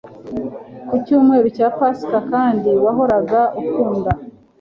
Ku cyumweru cya Pasika kandi wahoraga ukunda